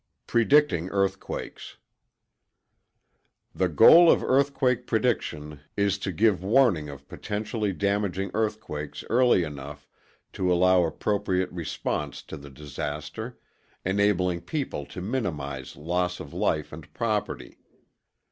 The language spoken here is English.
Predicting Earthquakes The goal of earthquake prediction is to give warning of potentially damaging earthquakes early enough to allow appropriate response to the disaster, enabling people to minimize loss of life and property.